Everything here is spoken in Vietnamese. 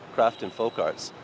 các thành phố đã tham gia